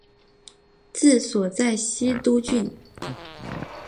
治所在西都县。